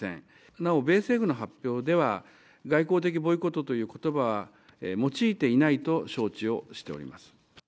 なお、米政府の発表では、外交的ボイコットということばを用いていないと承知をしております。